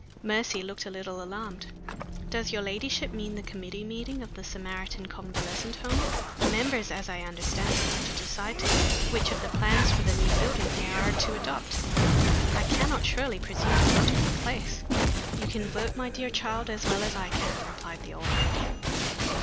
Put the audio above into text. Mercy looked a little alarmed. "Does your ladyship mean the committee meeting of the Samaritan Convalescent Home? The members, as I understand it, are to decide to day which of the plans for the new building they are to adopt. I cannot surely presume to vote in your place?" "You can vote, my dear child, just as well as I can," replied the old lady.